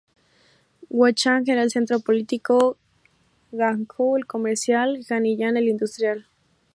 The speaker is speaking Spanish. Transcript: Wuchang era el centro político, Hankou el comercial, y Hanyang el industrial.